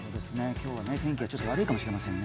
今日は天気がちょっと悪いかもしれませんね。